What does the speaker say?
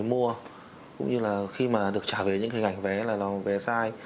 mua cũng như là khi mà được trả về những hình ảnh vé là nó vé sai